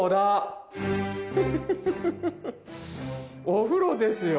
お風呂ですよ